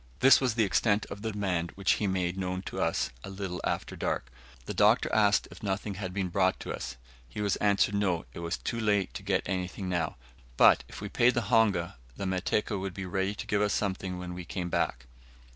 This was the extent of the demand, which he made known to us a little after dark. The Doctor asked if nothing had been brought to us. He was answered, "No, it was too late to get anything now; but, if we paid the honga, the Mateko would be ready to give us something when we came back."